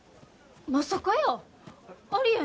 まさかやー。